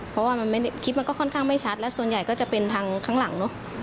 เพราะว่าคลิปมันก็ค่อนข้างไม่ชัดและส่วนใหญ่ก็จะเป็นทางข้างหลังเนอะ